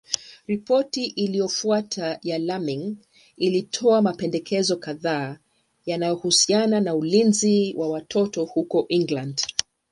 Ripoti iliyofuata ya Laming ilitoa mapendekezo kadhaa yanayohusiana na ulinzi wa watoto huko England.